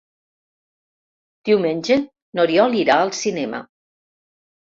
Diumenge n'Oriol irà al cinema.